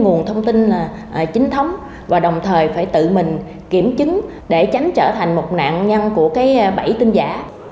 nguồn thông tin chính thống và đồng thời phải tự mình kiểm chứng để tránh trở thành một nạn nhân của bẫy tin giả